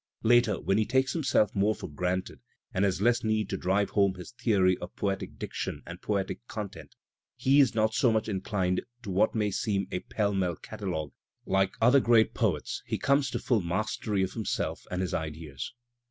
Later, when he takes himself more for granted and has less need to drive home his theory of poetic diction and poetic content, he is not so much inclined to what may seem a pell meU catalogue; like other great poets he comes to full mastery of himself and his ideas.